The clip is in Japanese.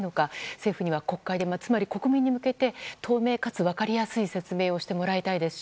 政府には国会でつまり国民に向けて透明かつ分かりやすい説明をしてもらいたいです。